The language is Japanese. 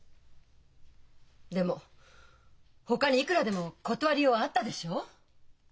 でもほかにいくらでも断りようあったでしょう？